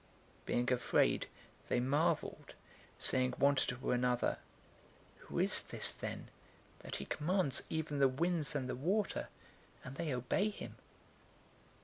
Being afraid they marveled, saying one to another, "Who is this, then, that he commands even the winds and the water, and they obey him?"